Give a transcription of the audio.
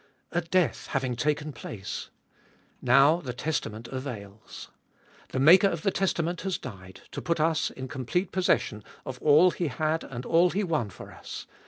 A death having taken place I Now the testament avails. The maker of the testament has died, to put us in complete possession of all He had and all He won for us.